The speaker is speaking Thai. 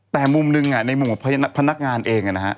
แต่มุมหนึ่งในมุมของพนักงานเองนะฮะ